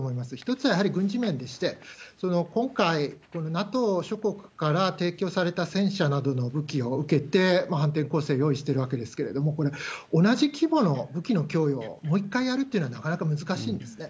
ＮＡＴＯ諸国から提供された戦車などの武器を受けて、反転攻勢を用意してるわけですけれども、これ、同じ規模の武器の供与をもう一回やるっていうのは難しいんですね。